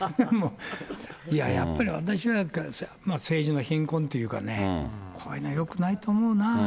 いややっぱり、私は政治の貧困というかね、こういうのはよくないと思うな。